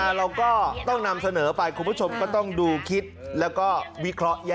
อันนี้ต้องลงใหม่นะว่าถ้าเกิดเหมือนเมียไม่เอา